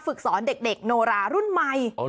ฝึกสอนเด็กโนรารุ่นใหม่